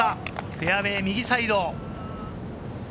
フェアウエー右サイド。